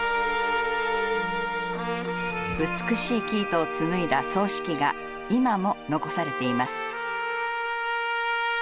美しい生糸を紡いだ繰糸機が今も残されています。